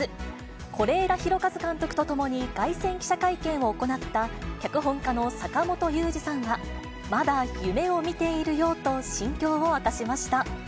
是枝裕和監督とともに凱旋記者会見を行った脚本家の坂元裕二さんが、まだ夢を見ているようと心境を明かしました。